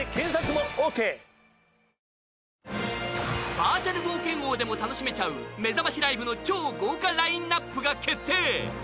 バーチャル冒険王でも楽しめちゃうめざましライブの豪華ラインナップが決定。